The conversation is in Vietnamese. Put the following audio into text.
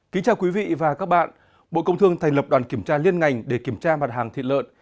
kính chào quý vị và các bạn bộ công thương thành lập đoàn kiểm tra liên ngành để kiểm tra mặt hàng thịt lợn